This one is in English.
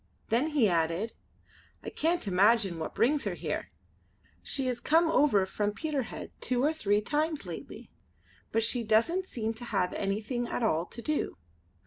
Then he added: "I can't imagine what brings her here. She has come over from Peterhead two or three times lately; but she doesn't seem to have anything at all to do.